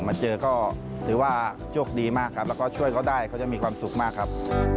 มาเจอก็ถือว่าโชคดีมากครับแล้วก็ช่วยเขาได้เขาจะมีความสุขมากครับ